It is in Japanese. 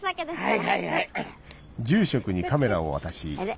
はいはいはい。